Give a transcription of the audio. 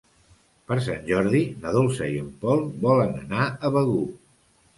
Per Sant Jordi na Dolça i en Pol volen anar a Begur.